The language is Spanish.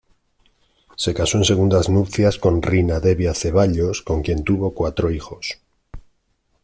Se casó en segundas nupcias con Rina Devia Ceballos, con quien tuvo cuatro hijos.